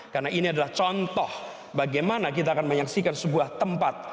karena ini adalah contoh bagaimana kita akan menyaksikan sebuah tempat